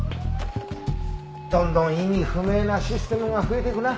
どんどん意味不明なシステムが増えていくな。